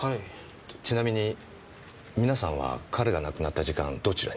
ちなみに皆さんは彼が亡くなった時間どちらに？